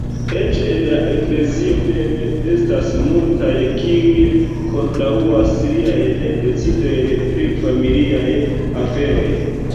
Eĉ en la eklezio mem estas multaj, kiuj kontraŭas liajn decidojn pri familiaj aferoj.